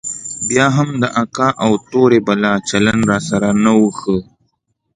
بيا به هم د اکا او د تورې بلا چلند راسره نه و ښه.